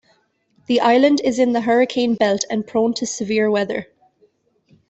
The island is in the hurricane belt and prone to severe weather.